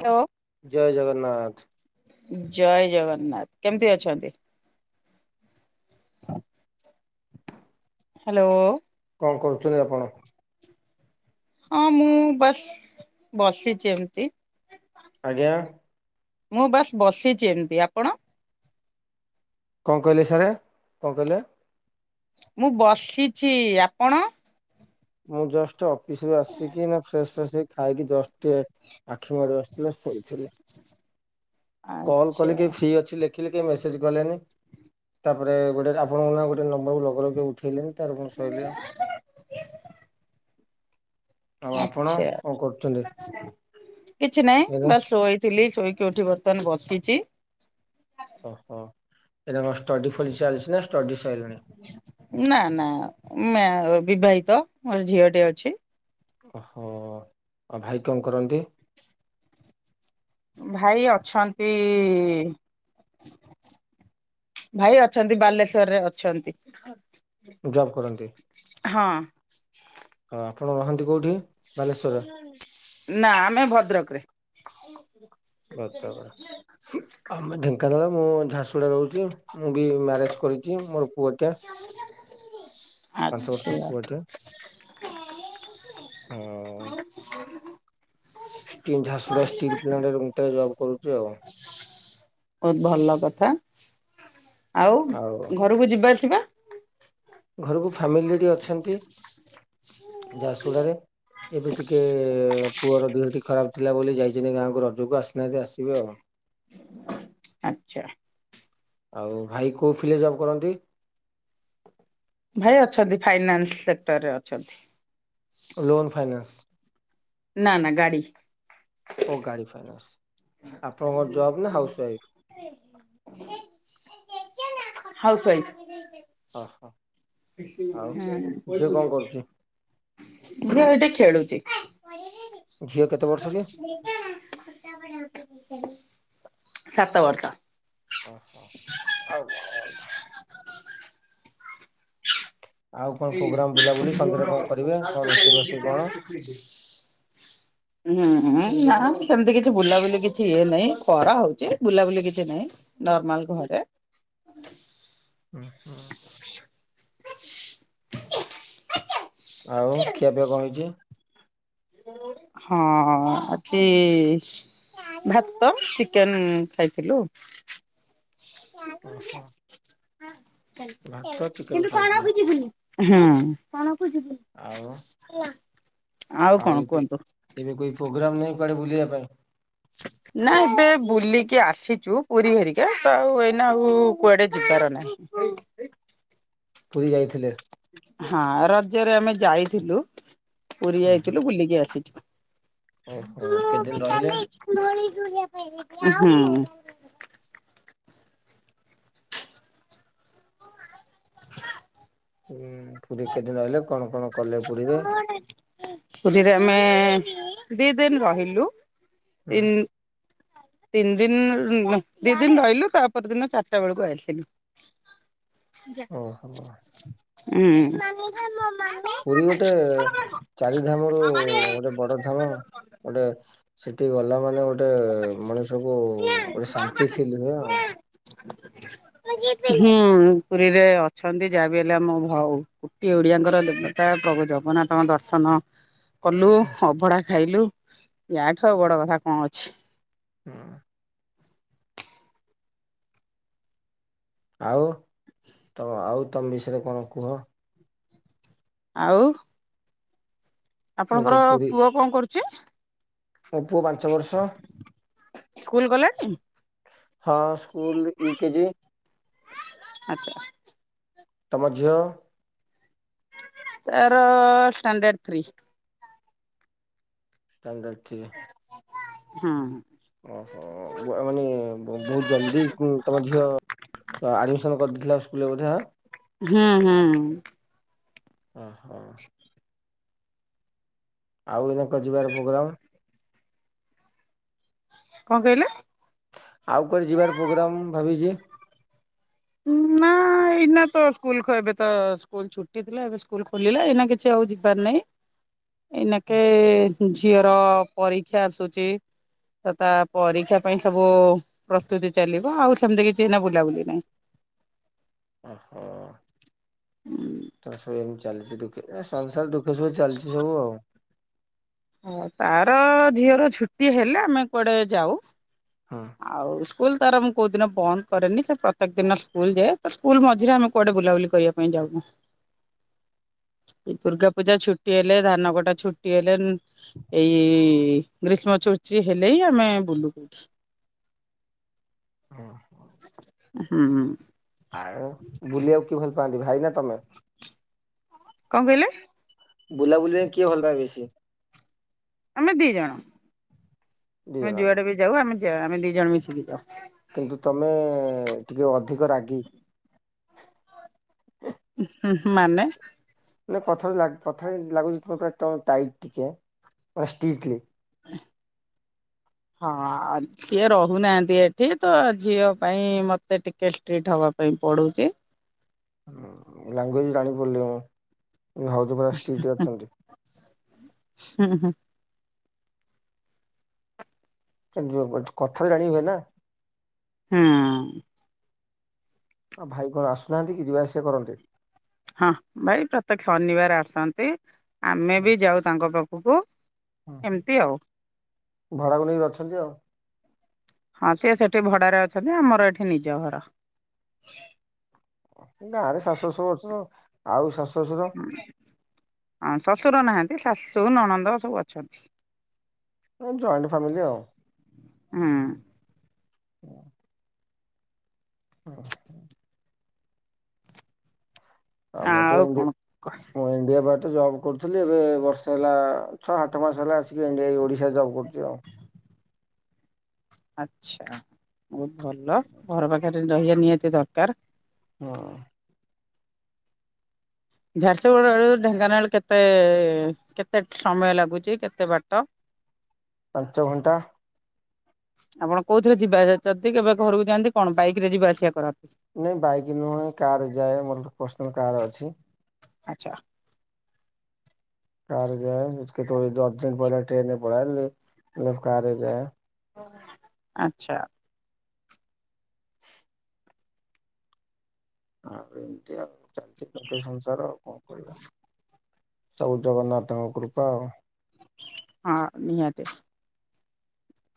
Hello ଜୟ ଜଗନ୍ନାଥ। ଜୟ ଜଗନ୍ନାଥ। କେମିତି ଅଛନ୍ତି? ହ୍ୟାଲୋ। କଣ କରୁଛନ୍ତି ଆପଣ? ହଁ ମୁଁ ବସ୍ ବସିଛି ଏମିତି। ଆଜ୍ଞା। ମୁଁ ବାସ୍ ବସିଛି ଏମିତି ଆପଣ? କଣ କହିଲେ ସାର୍ କଣ କହିଲେ? ମୁଁ ବସିଛି ଆପଣ? ମୁଁ ଜଷ୍ଟ ଅଫିସ ରୁ ଆସିକି ନା ଫ୍ରେଶ ଫ୍ରେଶ ଖାଇକି ଜଶ ଟେ ଆଖି ମାର ଆସିି ଥିଲା ଶୋଇଥିଲି। [inaudible] କଲ୍ କଲେ କିଏ ଫ୍ରି ଅଛି? ଦେଖିଲେ କେହି ମେସେଜ୍ କଲେନି ତାପରେ ଗୋଟେ ଆପଣଙ୍କ ନାଁ ଗୋଟେ ନମ୍ବରକୁ ଲଗେଇ ଲଗେଇ କେହିଁ ଉଠେଇଲେନି। ତାର କଣ ଶଇଲ୍ୟ ଆଉ ଆପଣ ଆଚ୍ଛା କଣ କରୁଛନ୍ତି? କିଛି ନାଇଁ ଏଇନା? ବାଶ୍ ଶୋଇଥିଲି ଶୋଇକି ଉଠିକି ବର୍ତ୍ତମାନ ବସିଛି। ଓହୋ ଏଇଟା କଣ ଷ୍ଟଡି ଫିଲ ଚାଲିଛି ନା ଷ୍ଟଡି ସାଇଲଣି। ନା ନା ନା ବିବାହିତ ମୋର ଝିଅ ଟେ ଅଛି। ଓହୋ ଆଉ ଭାଇ କଣ କରନ୍ତି? ଭାଇ ଅଛନ୍ତି ଭାଇ ଅଛନ୍ତି ବାଲେଶ୍ବରରେ ଅଛନ୍ତି। ଜବ୍ କରନ୍ତି ହଁ ଆଉ ଆପଣ ରହନ୍ତି କଉଠି? ନା ଆମେ ଭଦ୍ରକରେ। ଆମେ ଢେଙ୍କାନାଳ ମୁଁ ଝାରସୁଗୁଡ଼ା ରେ ରହୁଛି। ମୁଁ ବି ମ୍ୟାରେଜ କରିଛି ମୋର ପୁଅଟେ ପାଞ୍ଚ ଆଚ୍ଛା ବର୍ଷର ବହୁତ ପୁଅଟିଏ। ହଁ। [inaudible] କେଉଁ ଝାରସୁଗୁଡା ଷ୍ଟିଲ୍ ପ୍ଲାଣ୍ଟରେ ମୁଗୋଟେ ଜବ କରୁଛି ଆଉ। ବହୁତ ଭଲ କଥା ଆଉ ଘରକୁ ଯିବା ଅସିବା? ଘରକୁ ଫ୍ୟାମିଲିସେଠୀ ଅଛନ୍ତି ଝାରସୁଡ଼ାରେ। ଏବେ ଟିକେ ପୁଅର ଦେହ ଟି ଖରାପ ଥିଲା ବୋଲି ଯାଇଛନ୍ତି ଗାଁକୁ ରଜକୁ ଆସିନାହାନ୍ତି ଆସିବେ ଆଉ। ଆଚା। ଆଉ ଭାଇ କୋଉ ଫିଲ୍ରେ ଜବ୍ କରନ୍ତି? ଭାଇ ଅଛନ୍ତି ଫାଇନାନ୍ସ ସେକ୍ଟରରେ ଅଛନ୍ତି। Loan finance. ନା ନା ଗାଡ଼ି। ଓ ଗାଡ଼ି ଫାଇନାନ୍ସ ଆପଣଙ୍କ ଜବ୍ ନା ହାଉସ୍ ୱାଇଫ୍? House wife. [inaudible] ଅ ହଁ। ହଁ [inaudible] କରୁଛି ଝିଅ ହେଟି ଖେଳୁଛି। ଝିଅ କେତେ ବର୍ଷ କି? ସାତ ବର୍ଷ ଓହୋ ଆଉ କଣ ବଲ [inaudible] ଆଉ କଣ ଏଇ ପ୍ରୋଗ୍ରାମ [inaudible] ବୁଲାବୁଲି ସନ୍ଧ୍ୟାରେ କଣ କରିବେ କଣ ରୋଷେଇ ବାଷେଇ କଣ? ହୁଁ ହୁଁ ନା ସେମିତି କିଛି ବୁଲାବୁଲି କିଛି ଇଏ ନାହିଁ ଖରା ହଉଛି ବୁଲାବୁଲି କିଛି ନାହିଁ। ନର୍ମାଲ ଘରେ ହୁଁ ହୁଁ ଆଉ ଖିଆ ପିଆ କଣ ହେଇଛି? ହଁ ଆଜି ଭାତ ଚିକେନ ଖାଇଥିଲୁ। ଓହୋ ହଁ ଭାତ ଚିକେନ ଖାଇଥିଲେ ଆଉ ଆଉ କଣ କୁହନ୍ତୁ? ଏବେ କୋଇ ପ୍ରୋଗ୍ରାମ ନାଇଁ ବୁଲିବା ପାଇଁ ନା ଏବେ ବୁଲିକି ଆସିଛୁ ପୁରୀ ହେରିକା ତ ଆଉ ଏଇନା ଆଉ କୁଆଡେ ଯିବାର ନାହିଁ। [inaudible] ପୁରୀ ଯାଇଥିଲେ। ହଁ ରଜରେ ଆମେ ଯାଇଥିଲୁ ପୁରୀ ହୁଁ ହୁଁ। ଯାଇଥିଲୁ ବୁଲିକି ଆସିଛୁ। ଓହୋ କେତେଦିନ ରହିଲେ? ହଁ ହଁ [inaudible] ହୁଁ ପୁରୀ କେଦିନ ରହିଲେ କଣ କଣ କଲେ ପୁରୀରେ? ପୁରୀରେ ଆମେ ଦି ଦିନ ରହିଲୁ ହୁଁ। ତି ତିନି ଦିନ ଦି ଦିନ ରହିଲୁ ତାପର ଦିନ ଚାରିଟା ବେଳକୁ ଆସିଲୁ। ଓହୋ ହୁଁ ପୁରୀ ଗୋଟେ ଚାରିଧାମରୁ ଗୋଟେ ବଡ ଧାମ ଗୋଟେ ସେଠି ଗଲା ମାନେ ଗୋଟେ ମଣିଷକୁ ଗୋଟେ ଶାନ୍ତି ଫିଲ୍ ହୁଏ ଆଉ। ହୁଁ ପୁରୀରେ ଅଛନ୍ତି ଯାବି ହେଲେ ଆମ ଭଉ କୋଟି ଓଡ଼ିଆଙ୍କର ଦେତା ପ୍ରଭୁ ଜଗନ୍ନାଥଙ୍କ ଦର୍ଶନ କଲୁ ହୁଁ ଅଭଢ଼ା ଖାଇଲୁ ୟାଠୁ ଆଉ ବଡ କଥା କଣ ଅଛି? ହୁଁ ଆଉ ତ ଆଉ ତମ ବିଷୟରେ କଣ କୁହ? ଆଉ ମୁଁ ଆପଣଙ୍କର ତ ପୁରୀ ପୁଅ କଣ କରୁଛି? ମୋ ପୁଅ ପାଞ୍ଚ ବର୍ଷ। ସ୍କୁଲ ଗଲାଣି। ହଁ ସ୍କୁଲ ୟୁ କେଜି। ଆଚ୍ଛା ତମ ଝିଅ? ତାର ଷ୍ଟାଣ୍ଡାର୍ଡ ଥ୍ରୀ। Standard three. ହଁ ଓହୋ ମାନେ ବହୁତ ଜଲଦି ତମ ଝିଅ ଆଡମିସନ କରିଦେଇଥିଲା ସ୍କୁଲରେ ବୋଧ ଆ। ହୁଁ ହୁଁ। ଓହୋ। ଆଉ ଏଇନା କୁଆ ଯିବାର ପ୍ରୋଗ୍ରାମ କଣ କହିଲେ? ଆଉ କୁଆଡେ ଯିବାର ପ୍ରୋଗ୍ରାମ୍ ମୁ ଭାବିଚି? ନା ଏଇନା ତ ସ୍କୁଲ ଏବେ ତ ସ୍କୁଲ ଛୁଟି ଥିଲା ଏବେ ସ୍କୁଲ ଖୋଲିଲା ଏଇନା କିଛି [unintelligible] ନାଇଁ ଏଇନା କେ ଝିଅର ପରୀକ୍ଷା ଆସୁଚି। ତ ତା ପରୀକ୍ଷା ପାଇଁ ସବୁ ପ୍ରସ୍ତୁତି ଚାଲିବ ଆଉ ସେମିତି କିଛିନା ବୁଲାବୁଲି ନାହିଁ। ଓହୋ। ହୁଁ। ତ ସବୁ ଏମିତି ଚାଲିଚି ଦୁଃଖ ସଂସାର ଦୁଖ ସୁଖ ଚାଲିଚି ସବୁ ଆଉ। ହ ତାର ଝିଅର ଛୁଟି ହେଲେ ଆମେ କୁଆଡେ ଯିବୁ। ହଁ। ଆଉ ସ୍କୁଲ ତାର ମୁଁ କୋଉ ଦିନ ବନ୍ଦ କରେନି ସେ ପ୍ରତ୍ୟେକ ଦିନ ସ୍କୁଲ ଯାଏ, ତ ସ୍କୁଲ ମଝରେ ଆମେ କୁଆଡେ ବୁଲାବୁଲି କରିବା ପାଇଁ ଯାଉନୁ। ଏ ଦୁର୍ଗା ପୂଜା ଛୁଟି ହେଲେ ଧାନ ଗୋଟା ଛୁଟି ହେଲେ ଏଇ ଗ୍ରୀଷ୍ମ ଛୁଟି ହେଲେ ହିଁ ଆମେ ବୁଲୁ। ଓ ହ। ହଁ। ଆ ବୁଲିବାକୁ କିଏ ଭଲ ପାଆନ୍ତି ଭାଇ ନା ତମେ? କଣ କହିଲେ? ବୁଲାବୁଲି ପାଇଁ କିଏ ଭଲ [unintelligible] ଅଛି? ଆମେ ଦି ଜଣ ଦି ଆମେ ଜଣଆଙ୍କ ଯୁଆଡେ ବି ଯାଉ ଆମେ ଆମେ ଦି ଜଣ ମିଶିକି ଯାଉ। କିନ୍ତୁ ତମେ ଟିକେ ଅଧିକ ରାଗି। ହୁଁଁ ମାନେ ମାନେ କଥାରୁ କଥାରେ ଲାଗୁଚି ଟାଇଟ ଟିକେ ମାନେ [unintelligible] ହ ହଁ ସିଏ ରହୁନାହାନ୍ତି ଏଠି ତ ଝିଅ ପାଇଁ ମତେ ଟିକେ ଷ୍ଟ୍ରିଟ୍ ହବ ପାଇଁ ପଡୁଚି। ଲଙ୍ଗୁଏଜ ଜଣି ବୋଲ [unintelligible] ହୁଁ ହୁଁ କଥାରେ ଜାଣି ହୁଏ ନା? ହଁ। ହଁ। ହ ଭାଇ କଣ ଆସୁନାହାନ୍ତି କି ଯିବା ଆସିବା କରନ୍ତେ ହଁ ଭାଇ ପ୍ରତ୍ୟେକ ଶନିବାର ଆସନ୍ତି ଆମେ ବି ଯାଉ ତାଙ୍କ ପାଖକୁ। ଘର ଏମିତି ଆଉ ଭଡ଼ାକୁ ନେଇକି ଅଛନ୍ତି ଆଉ। ହଁ ସିଏ ସେଠି ଭଡାରେ ଅଛନ୍ତି ଆମର ଏଠି ନିଜ ଘର। ଗାଁ ରେ ଶାଶୁ ଶଶୁର [unintelligible] ଆଉ ଶାଶୁ ଶ୍ୱଶୁର? ହଁ ଶଶୁର ନାହାନ୍ତି ଶାଶୁ ନଣନ୍ଦ ସବୁ ଅଛନ୍ତି। ଜଏଣ୍ଟ ଫ୍ୟାମିଲି ଆଉ। ହଁ। ହୁଁ ହଁ। ଆ ମୁଁ ତ ଆଉ ଏତି କଣ ମୁଁ ଇଣ୍ଡିଆ ବା ତ ଜବ୍ କରୁଥିଲି ଏବେ ବର୍ଷ ହେଲା ଛଅ ସାତ ମାସ ହେଲା ଆସିକି ଇଣ୍ଡି ଓଡିଶା ଜବ୍ କରୁଚି ଆଉ। ଆଚ୍ଛା ବୋହୁତ ଭଲ ଘର ପାଖରେ ରହିବା ନିହାତି ଦରକାର। ହଁ। ଝାରସୁଗୁଡ଼ ବେଳୁ ଢେଙ୍କାନାଳ କେତେ କେତେ ସମୟ ଲାଗୁଚି କେତେ ବାଟ? ପାଞ୍ଚ ଘଣ୍ଟା। ଆପଣ କୋଉ ଥିଲେ ଯିବା ଆସିବା ଯାଆନ୍ତି କେବେ ଘରକୁ ଯାଆନ୍ତି କଣ ବାଇକ ରେ ଯିବା ଆସିବା କରନ୍ତି? ନାଇଁ ବାଇକ ନୁହଁ କାର ଯାଏ ମୋର ପର୍ସନାଲ କାର ଅଛି। ଆଚ୍ଛା। କାରରେ ଯାଏ, ହଉଚି କେତେବେଳେ ଯଦି ଅର୍ଜେଣ୍ଟ ପଇଲେ ଟ୍ରେନରେ ପଳାଏ, ନହେଲେ କାରରେ ଯାଏ। ଆଚ୍ଛା। ଆଉ ଏମତି ଆଉ, ଚାଲିଛି ଗୋଟେ ସଂସାର ଆଉ, କଣ କରିବା। ସବୁ ଜଗନ୍ନାଥଙ୍କ କୃପା ଆଉ। ହଁ ନିହାତି।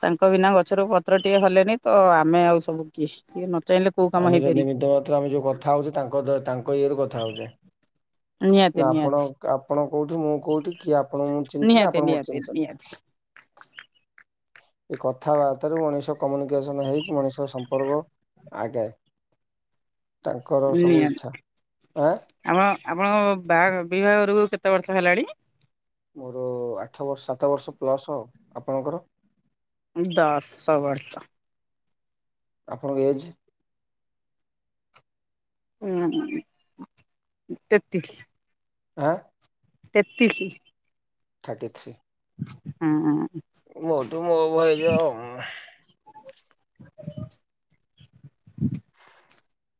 ତାଙ୍କ ବିନା ଗଛରୁ ପତ୍ର ଟିଏ ହଲେନି, ତ ଆମେ ଆଉ ସବୁ କିଏ? ସିଏ ନ ଚାହିଁଲେ କୋଉ କାମ ଆମେ ଯେ ହେଇପାରିବ। ନିମିତ ମାତ୍ର। ଆମେ ଯୋଉ କଥା ହଉଛେ ତାଙ୍କ ଦୟା ତାଙ୍କ ଇଏରୁ କଥା ହଉଛେ। ନିହାତି ନା ଆପଣ, ନିହାତି ଆପଣ କୋଉଠି ମୁଁ କୋଉଠି, କିଏ ଆପଣଙ୍କୁ ମୁଁ ଚିହ୍ନିଚି ନା ନିହାତି ଆପଣ ମୋତେ ନିହାତି ଚିହ୍ନିଛନ୍ତି? ନିହାତି ଏଇ କଥାବାର୍ତ୍ତାରୁ ମଣିଷ କମ୍ୟୁନିକେସନ ହେଇକି ମଣିଷ ସମ୍ପର୍କ ଆଗେ, ତାଙ୍କର ସବୁ ନିହାତି। ଇଚ୍ଛା। ଆଁ? ଆପଣ ଆପଣଙ୍କ ବାହାଘ ବିଭାଘରକୁ କେତେ ବର୍ଷ ହେଲାଣି? ମୋର ଆଠ ବର୍ଷ, ସାତ ବର୍ଷ ପ୍ଲସ ଆଉ। ଆପଣଙ୍କର? ଉଁ ଦଶ ବର୍ଷ। ଆପଣଙ୍କ ଏଜ୍? ଉଁ ହଁ, ତେତିଶ। ଆଁ? ତେତିଶି। Thirty three. ହଁ ଅଁ। ମୋଠୁ ମୋ ବୟସ ଅମା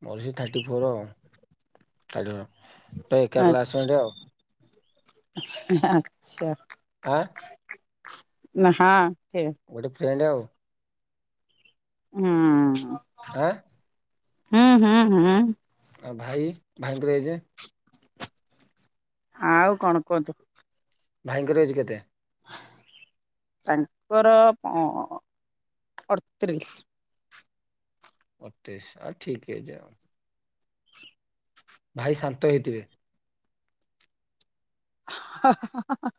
ମୋର ସେଇ ଥାର୍ଟି ଫୋର୍ ଆଉ। Thirty four. ତ ଏକା ଆଚ୍ଛା କ୍ଲାସମେଟ୍ ଆଉ। ଆଚ୍ଛା। ଆଁ? ନା, ହଁ କିଏ? ମୁଁ ଗୋଟେ ଫ୍ରେଣ୍ଡ ଆଉ। ହୁଁ। ଆଁ? ହୁଁ, ହୁଁ, ହୁଁ। ଆଉ ଭାଇ, ଭାଇଙ୍କର ଏଜ୍? ଆଉ କଣ କୁହନ୍ତୁ? ଭାଇଙ୍କର ଏଜ୍ କେତେ? ତାଙ୍କର କଅଁ ଅଡତିରିଶ। ଅଡତିରିଶ, ଆ ଠିକ ଏଜ୍ ଆଉ। ଭାଇ ଶାନ୍ତ ହେଇଥିବେ? ହ-ହଁ-ହଁ-ହଁ-ହଁ-ହଁ।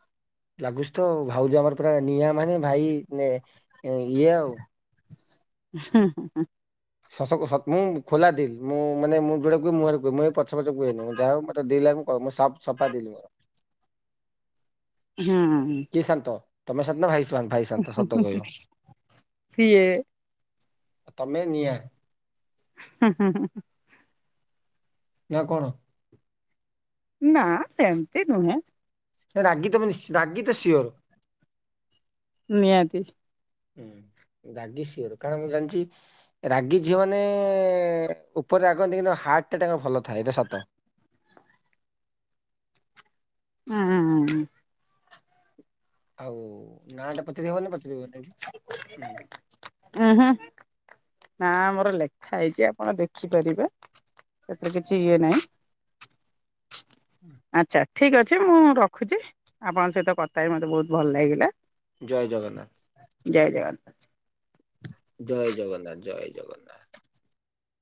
ଲାଗୁଛି ତ ଆଉ। ଭାଉଜ ଆମର ପୁରା ନିଆଁ ମାନେ ଭାଇ ମାନେ ଇଏ ଆଉ। ହିଁ-ହିଁ-ହିଁ। ଶଶକୁ ସତ ମୁଁ ଖୋଲା ଦିଲ୍। ମୁଁ ମାନେ ମୁଁ ଯୋଉଡା କୁହେ ମୁହଁରେ କୁହେ। ମୁଁ ଏଇ ପଛ ପଛ କୁହେନେଇ। ମୁଁ ଯାହା ହଉ ମତେ ଦେଇ ଲାଗୁ କ ମୁଁ ସପ୍ ସଫା ଦିଲ୍ ମୋର। ହଁ ହୁଁ। କିଏ ଶାନ୍ତ? ତମେ ଶାନ୍ତ ନା, ଭାଇ ଶା ଭାଇ ଶାନ୍ତ ସତ କହିବ? ସିଏ ଆ ତମେ ନିଆଁ ହୁଁ-ହୁଁ-ହୁଁ-ହୁଁ। ନା କଣ? ନା ସେମତି ନୁହେଁ ରାଗି ତମେ ନିଶ୍ଚୟ, ରାଗି ତ ସିଓର। ନିହାତି। ରାଗି ସିଓର କାରଣ ମୁଁ ଜାଣିଛି ରାଗି ଝିଅ ମାନେ ଉପରେ ରାଗନ୍ତି କିନ୍ତୁ ହାର୍ଟ ଟା ତାଙ୍କର ଭଲ ଥାଏ ଏଇଟା ସତ। ହୁଁ ହୁଁ ହୁଁ। ଆଉ ନା ଟା ପଚାରି ହବ ନା ପଚାରି ହବନି ଏଠି। ଉଁହୁ। ନାଆ ଆମର ଲେଖା ହେଇଛି ଆପଣ ଦେଖିପାରିବେ ସେଥିରେ କିଛି ଇଏ ନାହିଁ। [inaudible] ଆଚ୍ଛା ଠିକ୍ ଅଛି ମୁଁ ରଖୁଛି ଆପଣଙ୍କ ସହିତ କଥା ହେଇକି ମୋତେ ବହୁତ ଭଲ ଲାଗିଲା। ଜୟ ଜଗନ୍ନାଥ। ଜୟ ଜଗନ୍ନାଥ। ଜୟ ଜଗନ୍ନାଥ ଜୟ ଜଗନ୍ନାଥ।